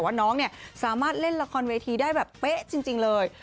ว่าน้องเนี่ยสามารถเล่นละครเวทีได้แบบเป๊ะจริงเลย